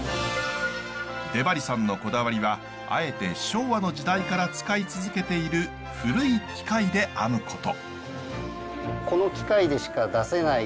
出張さんのこだわりはあえて昭和の時代から使い続けている古い機械で編むこと。